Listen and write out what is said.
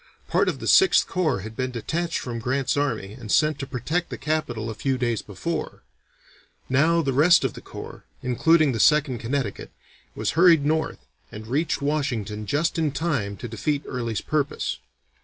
Part of the Sixth Corps had been detached from Grant's army and sent to protect the capital a few days before; now the rest of the corps, including the Second Connecticut, was hurried north and reached Washington just in time to defeat Early's purpose.